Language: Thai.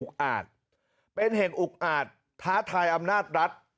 อาจเป็นเหตุอุกอาจท้าทายอำนาจรัฐ